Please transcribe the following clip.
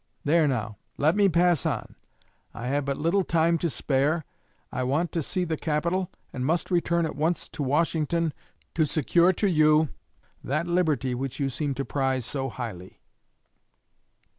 There, now, let me pass on; I have but little time to spare. I want to see the capital, and must return at once to Washington to secure to you that liberty which you seem to prize so highly.'